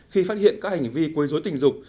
khi phát hiện các hành vi quấy dối tình dục